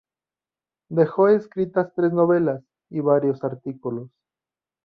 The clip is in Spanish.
Dejó escritas tres novelas, y varios artículos.